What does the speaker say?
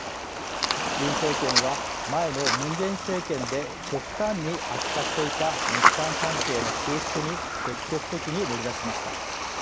ユン政権は、前のムン・ジェイン政権で極端に悪化していた日韓関係の修復に積極的に乗り出しました。